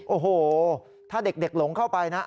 โอ้โหถ้าเด็กหลงเข้าไปนะ